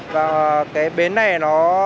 và cái bến này nó